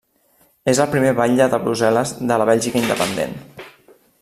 És el primer batlle de Brussel·les de la Bèlgica independent.